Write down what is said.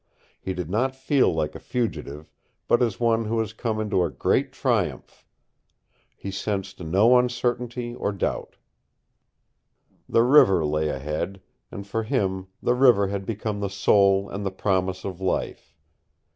He did not feel like a fugitive, but as one who has come into a great triumph. He sensed no uncertainty or doubt. The river lay ahead, and for him the river had become the soul and the promise of life.